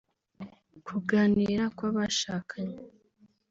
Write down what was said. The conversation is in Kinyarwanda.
kuganira kw’abashakanye